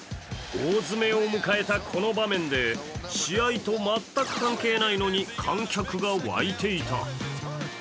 大詰めを迎えた、この場面で試合と全く関係ないのに、観客が沸いていた。